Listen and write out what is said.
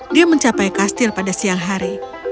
dia mencapai kastil pada siang hari